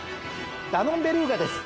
ダノンベルーガです。